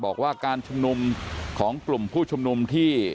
บอกว่าการชุมนุมของกลุ่มผู้ชุมนุมที่